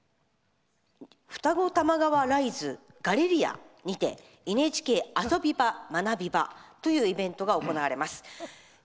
二子玉川ライズガレリアにて「ＮＨＫあそビバまなビバ」というイベントが行われます。